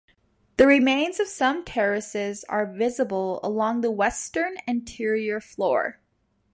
The remains of some terraces are visible along the western interior floor.